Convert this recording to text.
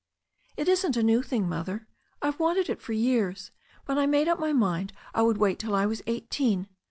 "It isn't a new thing, Mother. I've wanted it for years, but I made up my mind I would wait till I was eighteen.